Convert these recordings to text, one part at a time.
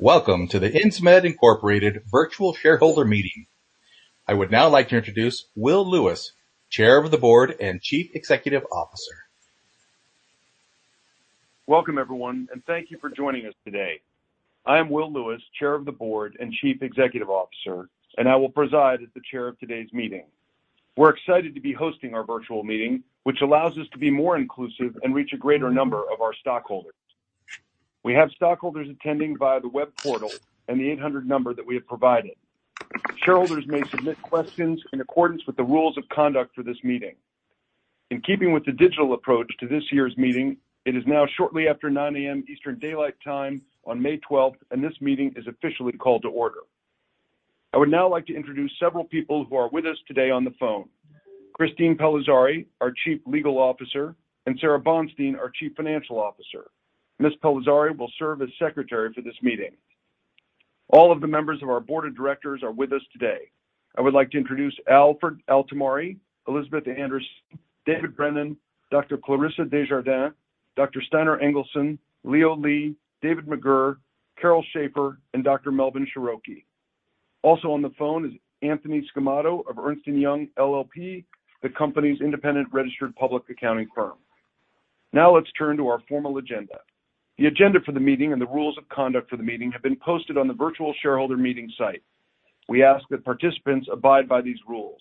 Welcome to the Insmed Incorporated virtual shareholder meeting. I would now like to introduce Will Lewis, Chair of the Board and Chief Executive Officer. Welcome, everyone, and thank you for joining us today. I'm Will Lewis, Chair of the Board and Chief Executive Officer, and I will preside as the Chair of today's meeting. We're excited to be hosting our virtual meeting, which allows us to be more inclusive and reach a greater number of our stockholders. We have stockholders attending via the web portal and the 800 number that we have provided. Shareholders may submit questions in accordance with the rules of conduct for this meeting. In keeping with the digital approach to this year's meeting, it is now shortly after 9:00 A.M. Eastern Daylight Time on May 12th, and this meeting is officially called to order. I would now like to introduce several people who are with us today on the phone. Christine Pellizzari, our Chief Legal Officer, and Sara Bonstein, our Chief Financial Officer. Ms. Pellizzari will serve as secretary for this meeting. All of the members of our Board of Directors are with us today. I would like to introduce Alfred Altomari, Elizabeth Anderson, David Brennan, Dr. Clarissa Desjardins, Dr. Steinar Engelsen, Leo Lee, David McGirr, Carol Schafer, and Dr. Melvin Sharoky. Also on the phone is Anthony Sgammato of Ernst & Young LLP, the company's independent registered public accounting firm. Now let's turn to our formal agenda. The agenda for the meeting and the rules of conduct for the meeting have been posted on the virtual shareholder meeting site. We ask that participants abide by these rules.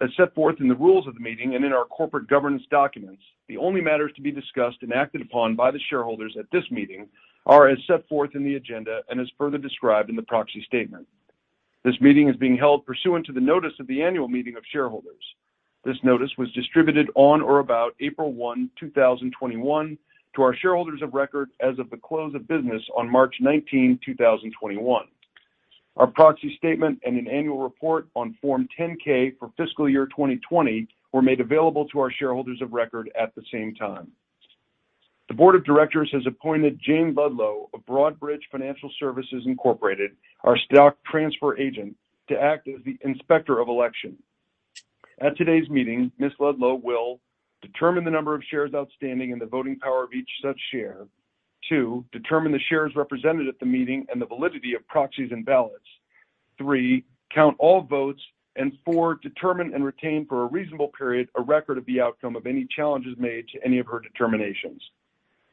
As set forth in the rules of the meeting and in our corporate governance documents, the only matters to be discussed and acted upon by the shareholders at this meeting are as set forth in the agenda and as further described in the proxy statement. This meeting is being held pursuant to the notice of the annual meeting of shareholders. This notice was distributed on or about April 1, 2021, to our shareholders of record as of the close of business on March 19, 2021. Our proxy statement and an annual report on Form 10-K for fiscal year 2020 were made available to our shareholders of record at the same time. The Board of Directors has appointed Jane Ludlow of Broadridge Financial Services, Incorporated, our stock transfer agent, to act as the Inspector of Election. At today's meeting, Ms. Ludlow will determine the number of shares outstanding and the voting power of each such share. Two, determine the shares represented at the meeting and the validity of proxies and ballots. Three, count all votes. Four, determine and retain for a reasonable period a record of the outcome of any challenges made to any of her determinations.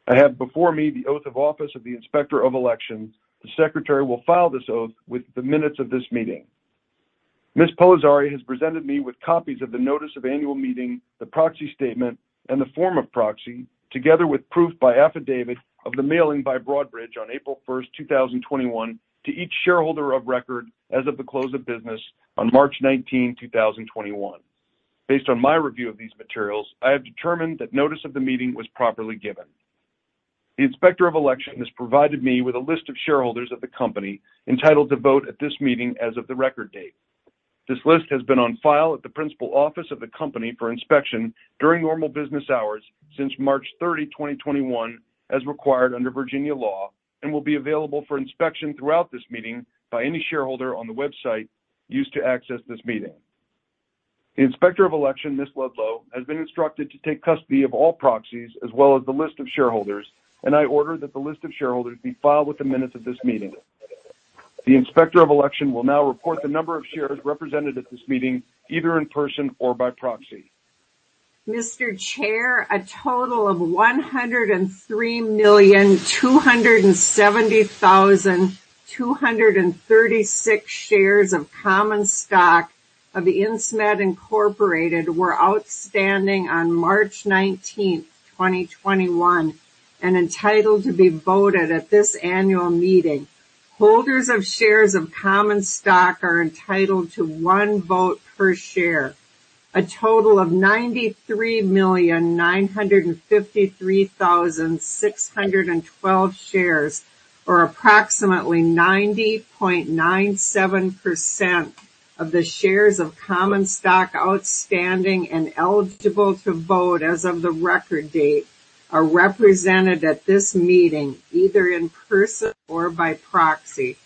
I have before me the oath of office of the inspector of elections. The secretary will file this oath with the minutes of this meeting. Ms. Pellizzari has presented me with copies of the notice of annual meeting, the proxy statement, and the form of proxy, together with proof by affidavit of the mailing by Broadridge on April 1st, 2021, to each shareholder of record as of the close of business on March 19, 2021. Based on my review of these materials, I have determined that notice of the meeting was properly given. The Inspector of Election has provided me with a list of shareholders of the company entitled to vote at this meeting as of the record date. This list has been on file at the principal office of the company for inspection during normal business hours since March 30, 2021, as required under Virginia law, and will be available for inspection throughout this meeting by any shareholder on the website used to access this meeting. The Inspector of Election, Ms. Ludlow, has been instructed to take custody of all proxies as well as the list of shareholders. I order that the list of shareholders be filed with the minutes of this meeting. The Inspector of Election will now report the number of shares represented at this meeting, either in person or by proxy. Mr. Chair, a total of 103,270,236 shares of common stock of Insmed Incorporated were outstanding on March 19th, 2021, and entitled to be voted at this annual meeting. Holders of shares of common stock are entitled to one vote per share. A total of 93,953,612 shares, or approximately 90.97% of the shares of common stock outstanding and eligible to vote as of the record date, are represented at this meeting, either in person or by proxy.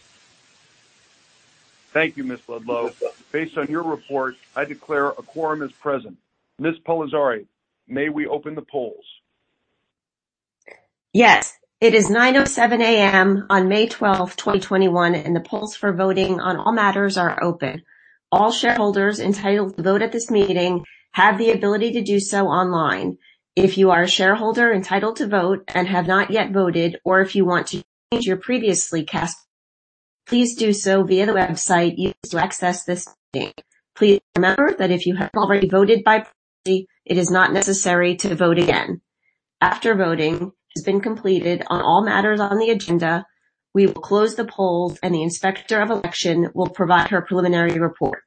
Thank you, Ms. Ludlow. Based on your report, I declare a quorum is present. Ms. Pellizzari, may we open the polls? Yes. It is 9:07 A.M. on May 12th, 2021, and the polls for voting on all matters are open. All shareholders entitled to vote at this meeting have the ability to do so online. If you are a shareholder entitled to vote and have not yet voted, or if you want to change your previously cast, please do so via the website used to access this meeting. Please remember that if you have already voted by proxy, it is not necessary to vote again. After voting has been completed on all matters on the agenda, we will close the polls and the Inspector of Election will provide her preliminary report.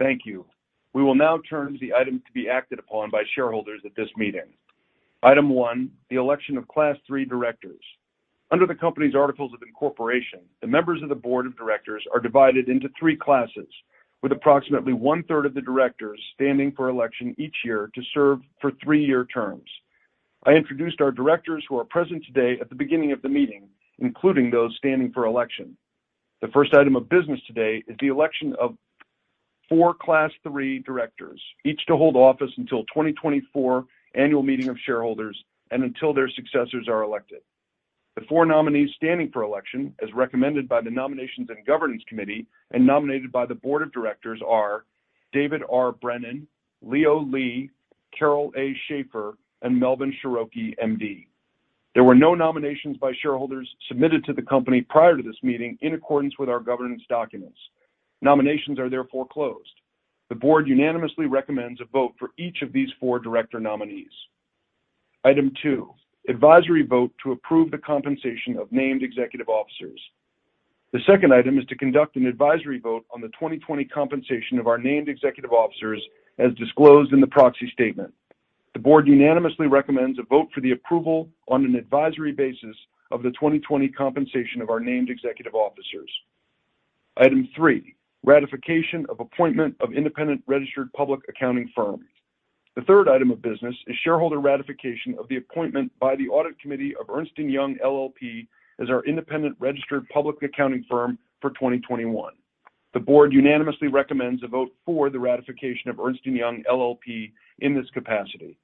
Thank you. We will now turn to the items to be acted upon by shareholders at this meeting. Item one, the election of Class III directors. Under the company's articles of incorporation, the members of the Board of Directors are divided into three classes, with approximately one-third of the directors standing for election each year to serve for three-year terms. I introduced our directors who are present today at the beginning of the meeting, including those standing for election. The first item of business today is the election of four Class III directors, each to hold office until 2024 annual meeting of shareholders and until their successors are elected. The four nominees standing for election, as recommended by the Nominations and Governance Committee and nominated by the Board of Directors are David R. Brennan, Leo Lee, Carol A. Schafer, and Melvin Sharoky, MD. There were no nominations by shareholders submitted to the company prior to this meeting in accordance with our governance documents. Nominations are therefore closed. The Board unanimously recommends a vote for each of these four director nominees. Item two, advisory vote to approve the compensation of named executive officers. The second item is to conduct an advisory vote on the 2020 compensation of our named executive officers as disclosed in the proxy statement. The Board unanimously recommends a vote for the approval on an advisory basis of the 2020 compensation of our named executive officers. Item three, ratification of appointment of independent registered public accounting firms. The third item of business is shareholder ratification of the appointment by the Audit Committee of Ernst & Young LLP as our independent registered public accounting firm for 2021. The Board unanimously recommends a vote for the ratification of Ernst & Young LLP in this capacity.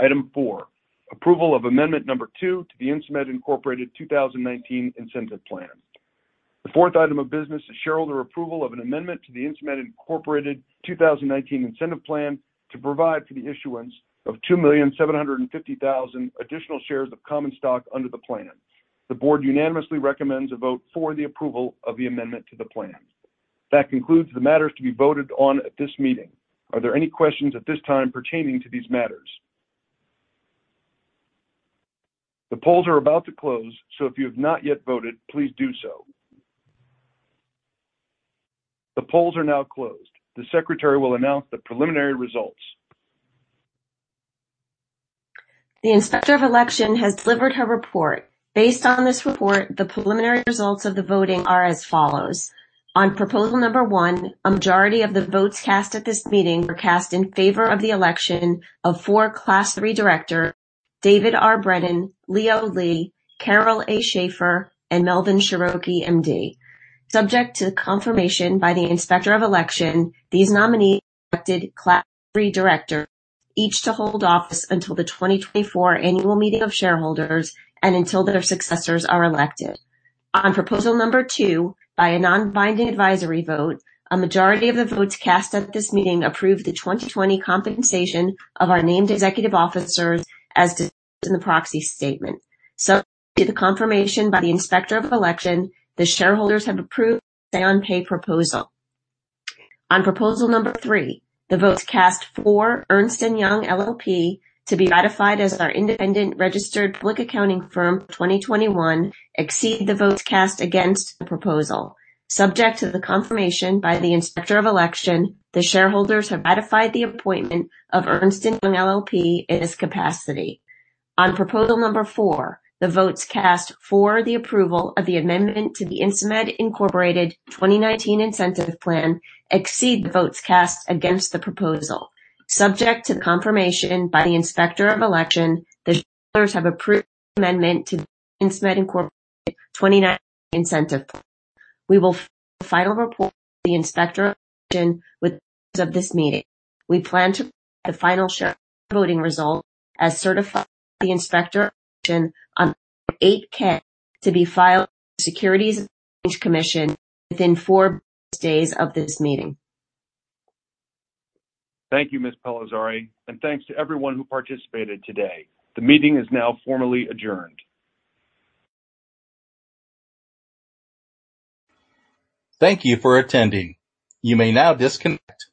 Item four, approval of amendment number two to the Insmed Incorporated 2019 Incentive Plan. The fourth item of business is shareholder approval of an amendment to the Insmed Incorporated 2019 Incentive Plan to provide for the issuance of 2,750,000 additional shares of common stock under the plan. The Board unanimously recommends a vote for the approval of the amendment to the plan. That concludes the matters to be voted on at this meeting. Are there any questions at this time pertaining to these matters? The polls are about to close, so if you have not yet voted, please do so. The polls are now closed. The secretary will announce the preliminary results. The Inspector of Election has delivered her report. Based on this report, the preliminary results of the voting are as follows. On proposal number 1, a majority of the votes cast at this meeting were cast in favor of the election of four Class III Directors, David R. Brennan, Leo Lee, Carol A. Schafer, and Melvin Sharoky, MD. Subject to the confirmation by the Inspector of Election, these nominees, elected Class III Director, each to hold office until the 2024 annual meeting of shareholders and until their successors are elected. On proposal number two, by a non-binding advisory vote, a majority of the votes cast at this meeting approved the 2020 compensation of our named executive officers as disclosed in the proxy statement. Subject to the confirmation by the Inspector of Election, the shareholders have approved the say on pay proposal. On proposal number three, the votes cast for Ernst & Young LLP to be ratified as our independent registered public accounting firm for 2021 exceed the votes cast against the proposal. Subject to the confirmation by the Inspector of Election, the shareholders have ratified the appointment of Ernst & Young LLP in this capacity. On proposal number four, the votes cast for the approval of the amendment to the Insmed Incorporated 2019 Incentive Plan exceed the votes cast against the proposal. Subject to the confirmation by the Inspector of Election, the shareholders have approved the amendment to the Insmed Incorporated 2019 Incentive Plan. We will file a final report with the Inspector of Election with the of this meeting. We plan to provide the final shareholder voting result as certified by the Inspector of Election on our 8-K to be filed with the Securities and Exchange Commission within four business days of this meeting. Thank you, Ms. Pellizzari, and thanks to everyone who participated today. The meeting is now formally adjourned. Thank you for attending. You may now disconnect.